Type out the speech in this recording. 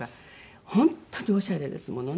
本当にオシャレですものね。